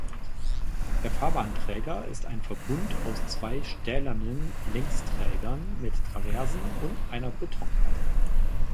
Der Fahrbahnträger ist ein Verbund aus zwei stählernen Längsträgern mit Traversen und einer Betonplatte.